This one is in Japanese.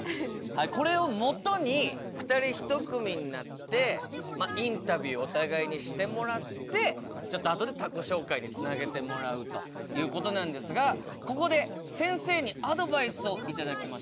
これをもとに２人一組になってインタビューお互いにしてもらってちょっとあとで他己紹介につなげてもらうということなんですがここで先生にアドバイスを頂きましょう。